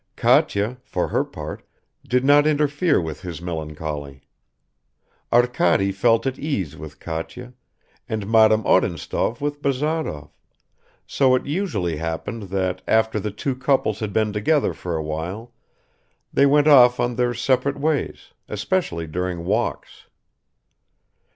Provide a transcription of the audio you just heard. Katya, for her part, did not interfere with his melancholy. Arkady felt at ease with Katya, and Madame Odintsov with Bazarov, so it usually happened that after the two couples had been together for a while, they went off on their separate ways, especially during walks.